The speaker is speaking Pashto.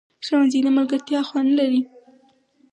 ښوونځی د ملګرتیا خوند لري